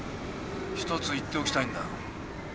一つ言っておきたいんだ。